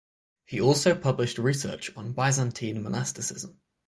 He also published research on Byzantine monasticism.